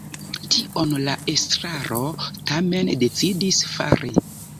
Tion la estraro tamen decidis fari.